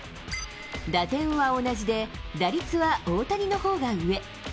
打点は同じで、打率は大谷の方が上。